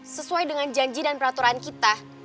sesuai dengan janji dan peraturan kita